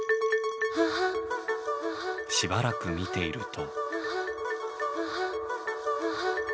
しばらく見ていると。